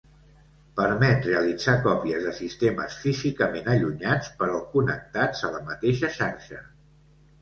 Permet realitzar còpies de sistemes físicament allunyats però connectats a la mateixa xarxa.